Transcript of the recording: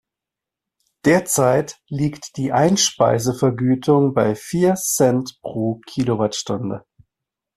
Derzeit liegt die Einspeisevergütung bei vier Cent pro Kilowattstunde.